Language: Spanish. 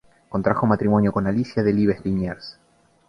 Contrajo matrimonio con Alicia Delibes Liniers.